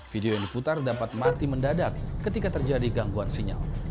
video yang diputar dapat mati mendadak ketika terjadi gangguan sinyal